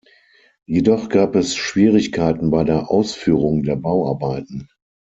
Jedoch gab es Schwierigkeiten bei der Ausführung der Bauarbeiten.